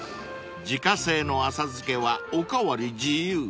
［自家製の浅漬けはお代わり自由。